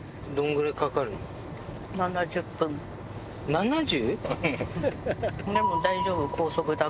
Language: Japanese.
７０！？